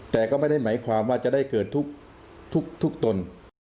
แต่ก็ไม่ได้หมายความว่าจะได้เกิดทุกตน